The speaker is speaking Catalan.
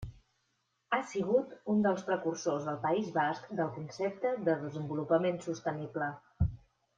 Ha sigut un dels precursors al País Basc del concepte del desenvolupament sostenible.